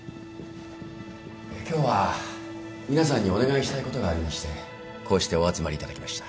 今日は皆さんにお願いしたいことがありましてこうしてお集まりいただきました。